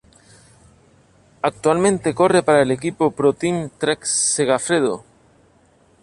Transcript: Actualmente corre para el equipo ProTeam Trek-Segafredo.